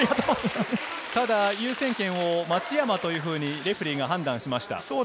ただ優先権を松山というふうにレフェリーが判断しました。